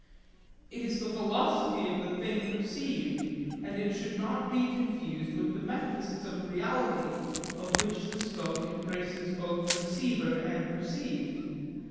It is the philosophy of the thing perceived, and it should not be confused with the metaphysics of reality of which the scope embraces both perceiver and perceived.